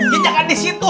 ya jangan di situ